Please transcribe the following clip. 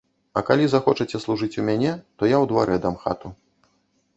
А калі захочаце служыць у мяне, то я ў дварэ дам хату.